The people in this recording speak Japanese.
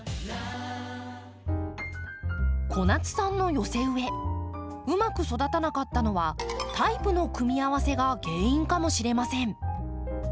小夏さんの寄せ植えうまく育たなかったのはタイプの組み合わせが原因かもしれません。